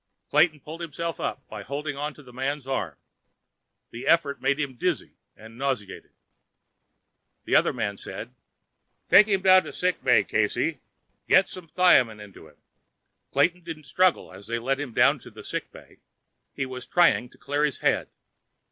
Clayton pulled himself up by holding to the man's arm. The effort made him dizzy and nauseated. The other man said: "Take him down to sick bay, Casey. Get some thiamin into him." Clayton didn't struggle as they led him down to the sick bay. He was trying to clear his head.